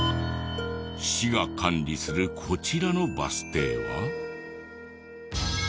市が管理するこちらのバス停は。